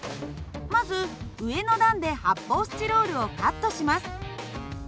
まず上の段で発泡スチロールをカットします。